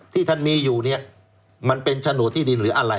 ที่ท่านมีอยู่เนี่ยมันเป็นโฉนดที่ดินหรืออะไร